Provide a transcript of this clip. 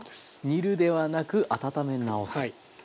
煮るではなく温め直す。